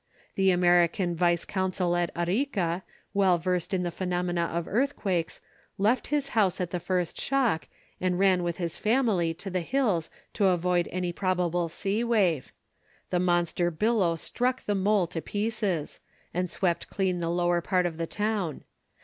The American vice consul at Arica, well versed in the phenomena of earthquakes, left his house at the first shock, and ran with his family to the hills to avoid any probable sea wave. The monster billow struck the mole to pieces, and swept clean the lower part of the town.